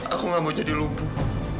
aku gak mau jadi lumpuh